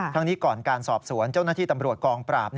ทั้งนี้ก่อนการสอบสวนเจ้าหน้าที่ตำรวจกองปราบ